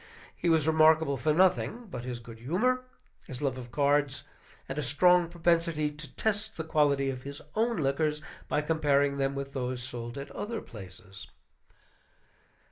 He was remarkable for nothing but his good humor, his love of cards, and a strong propensity to test the quality of his own liquors by comparing them with those sold at other places.